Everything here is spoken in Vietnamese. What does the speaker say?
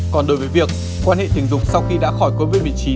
còn đối với việc quan hệ tình dục sau khi đã khỏi covid một mươi chín